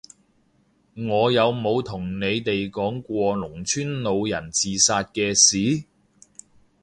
我有冇同你哋講過農村老人自殺嘅事？